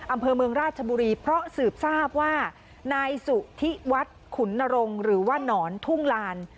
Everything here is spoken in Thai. อำเภอเมืองราชบุรีเพราะสืบทราบว่านายสุธิวัฒน์ขุนนรงค์หรือว่าหนอนทุ่งลาน